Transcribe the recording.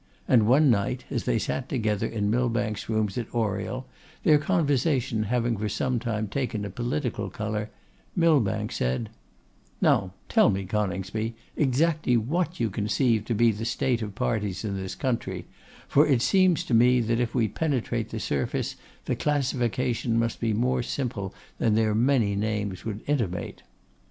And one night, as they sat together in Millbank's rooms at Oriel, their conversation having for some time taken a political colour, Millbank said, 'Now tell me, Coningsby, exactly what you conceive to be the state of parties in this country; for it seems to me that if we penetrate the surface, the classification must be more simple than their many names would intimate.